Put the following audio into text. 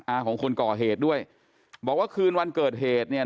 ของคนก่อเหตุด้วยบอกว่าคืนวันเกิดเหตุเนี่ย